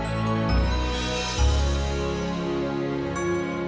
jangan lupa like share dan subscribe ya